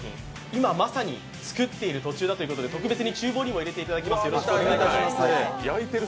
今まさに作っている途中だということで特別にちゅう房にも入れさせていただきます。